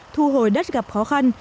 thu hồi đất gặp khó khăn